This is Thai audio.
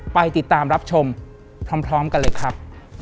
ไปติดตามรับชมพร้อมกันเลยครับ